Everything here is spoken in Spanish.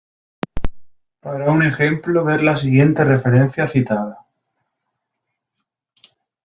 Para un ejemplo ver la siguiente referencia citada.